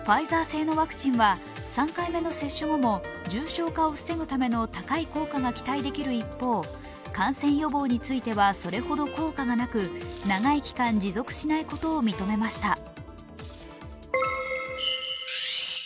ファイザー製のワクチンは３回目の接種後も重症化を防ぐための高い効果が期待できる一方、感染予防についてはそれほど効果がなく長い期間、持続しないことを認めました。